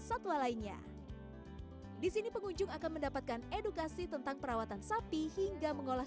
satwa lainnya di sini pengunjung akan mendapatkan edukasi tentang perawatan sapi hingga mengolah